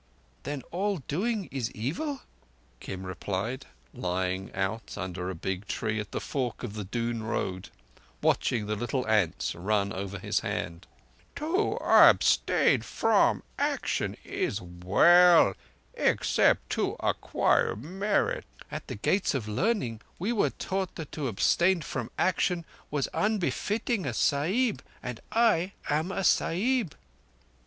"Then all Doing is evil?" Kim replied, lying out under a big tree at the fork of the Doon road, watching the little ants run over his hand. "To abstain from action is well—except to acquire merit." "At the Gates of Learning we were taught that to abstain from action was unbefitting a Sahib. And I am a Sahib."